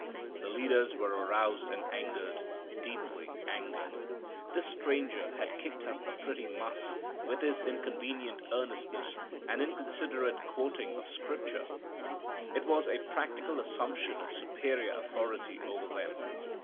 The leaders were aroused and angered, deeply angered. This stranger had kicked up a pretty muss with His inconvenient earnestness and inconsiderate quoting of Scripture. It was a practical assumption of superior authority over them.